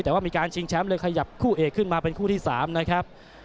แต่ว่ามีการชิงแชมป์เลยขยับคู่เอกขึ้นมาเป็นคู่ที่๓นะครับ